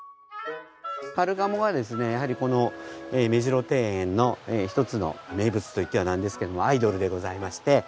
カルガモがですねやはりこの目白庭園の一つの名物といってはなんですけどもアイドルでございまして。